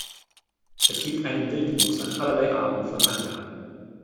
Es gibt einen Wildwuchs an allerlei Arten von Angaben.